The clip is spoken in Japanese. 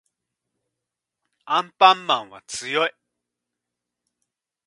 アンパンマンは強い